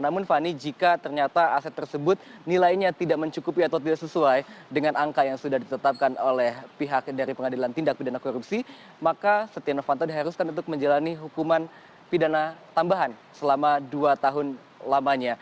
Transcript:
namun fani jika ternyata aset tersebut nilainya tidak mencukupi atau tidak sesuai dengan angka yang sudah ditetapkan oleh pihak dari pengadilan tindak pidana korupsi maka setia novanto diharuskan untuk menjalani hukuman pidana tambahan selama dua tahun lamanya